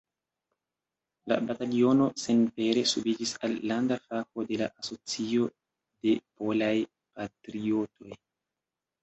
La bataliono senpere subiĝis al landa fako de la Asocio de Polaj Patriotoj.